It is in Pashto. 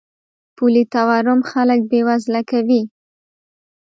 پولي تورم خلک بې وزله کوي.